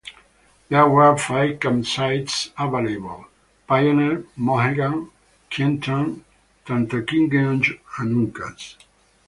There were five campsites available: Pioneer, Mohegan, Kiehtan, Tantaquidgeon and Uncas.